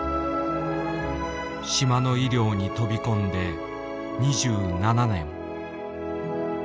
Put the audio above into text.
島の医療に飛び込んで２７年。